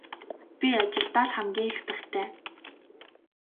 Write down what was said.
Би ажилдаа л хамгийн их дуртай.